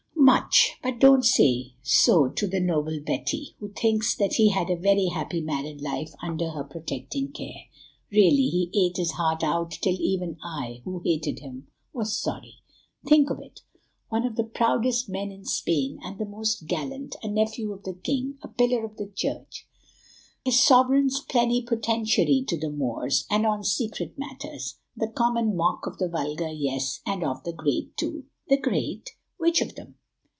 "Much; but don't say so to the noble Betty, who thinks that he had a very happy married life under her protecting care. Really, he ate his heart out till even I, who hated him, was sorry. Think of it! One of the proudest men in Spain, and the most gallant, a nephew of the king, a pillar of the Church, his sovereigns' plenipotentiary to the Moors, and on secret matters—the common mock of the vulgar, yes, and of the great too!" "The great! Which of them?"